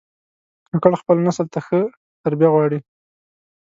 کاکړ خپل نسل ته ښه تربیه غواړي.